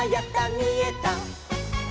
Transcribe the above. みえた！」